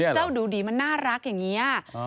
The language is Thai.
ดูดีมันน่ารักอย่างนี้